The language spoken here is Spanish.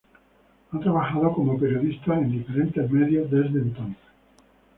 Ha trabajado como periodista en diferentes medios desde entonces.